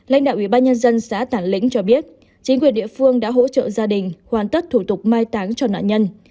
lãnh đạo ubnd xã tản lĩnh cho biết chính quyền địa phương đã hỗ trợ gia đình hoàn tất thủ tục mai táng cho nạn nhân